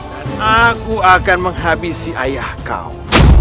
dan aku akan menghabisi ayah kau